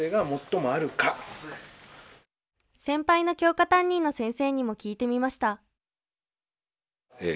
先輩の教科担任の先生にも聞いてみましたえ